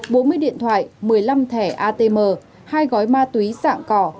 truyền thoại một mươi năm thẻ atm hai gói ma túy sạng cỏ